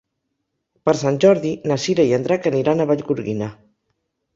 Per Sant Jordi na Cira i en Drac aniran a Vallgorguina.